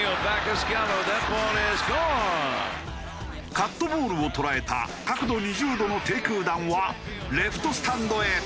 カットボールを捉えた角度２０度の低空弾はレフトスタンドへ。